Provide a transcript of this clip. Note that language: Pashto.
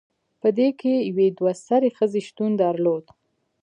پدې کې یوې دوه سرې ښځې شتون درلود